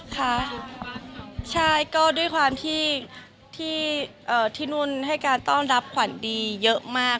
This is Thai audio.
ค่ะใช่ก็ด้วยความที่นุ่นให้การต้อนรับขวัญดีเยอะมาก